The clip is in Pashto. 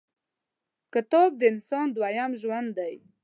• کتاب، د انسان دویم ژوند دی.